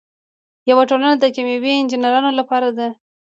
یوه ټولنه د کیمیاوي انجینرانو لپاره ده.